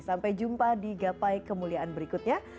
sampai jumpa di gapai kemuliaan berikutnya